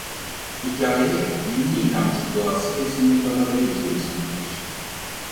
Hikaye, dini inancın doğası ve sınırlamaları ile ilgilidir.